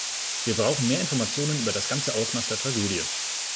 Wir brauchen mehr Informationen über das ganze Ausmaß der Tragödie.